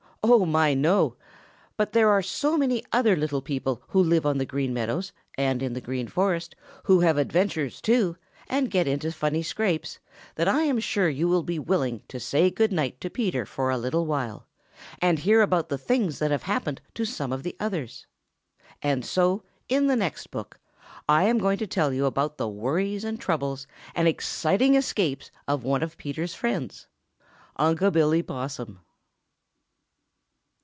Oh my, no! But there are so many other little people who live on the Green Meadows and in the Green Forest who have adventures, too, and get into funny scrapes, that I am sure you will be willing to say good night to Peter for a little while and hear about the things that have happened to some of the others. And so, in the next book, I am going to tell you about the worries and troubles and exciting escapes of one of Peter's friends Unc' Billy Possum.